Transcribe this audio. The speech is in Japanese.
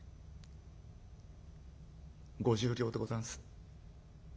「５０両でござんす。